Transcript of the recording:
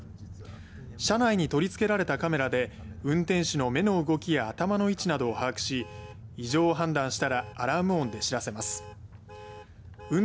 車内に取り付けられたカメラで運転手の目の動きや頭の位置などを把握し異常を判断したらアラーム音で知らせます。